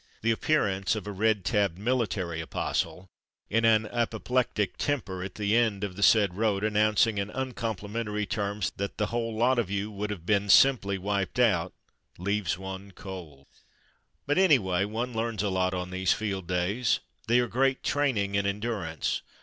The appearance of a red tabbed military apostle in an apoplectic temper at the end of the said road, an nouncing in uncomplimentary terms that "the whole lot of you would have been simply wiped out" leaves one cold. But anyway one learns a lot on these field days. They are great training in endurance.